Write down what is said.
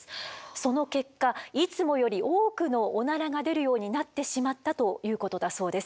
その結果いつもより多くのオナラが出るようになってしまったということだそうです。